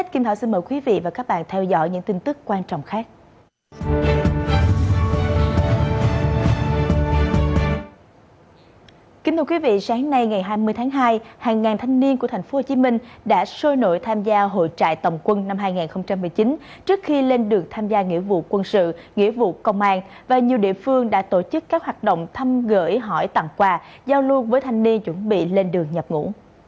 kính thưa quý vị sáng nay ngày hai mươi tháng hai hàng ngàn thanh niên của tp hcm đã sôi nổi tham gia hội trại tổng quân năm hai nghìn một mươi chín trước khi lên đường tham gia nghĩa vụ quân sự nghĩa vụ công an và nhiều địa phương đã tổ chức các hoạt động thăm gửi hỏi tặng quà giao luôn với thanh niên chuẩn bị lên đường nhập ngủ